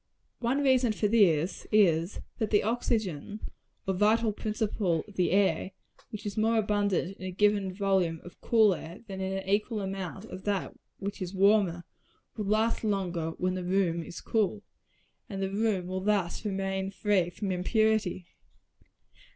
One reason for this is, that the oxygen, or vital principle of the air, which is more abundant in a given volume of cool air than in an equal amount of that which is warmer, will last longer when the room is cool, and the room will thus remain free from impurity.